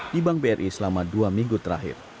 di bank bri selama dua minggu terakhir